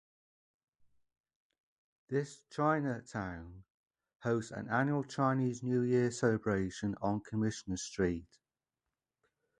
This Chinatown hosts an annual Chinese New Year celebration on Commissioner Street.